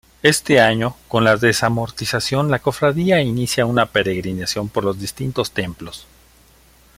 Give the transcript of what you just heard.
Este año con la desamortización la cofradía inicia una peregrinación por distintos templos.